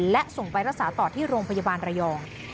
และส่งไปรักษาต่อที่โรงพยาบาลระยอง